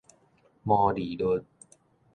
毛利率